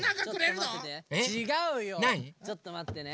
ちょっとまってね。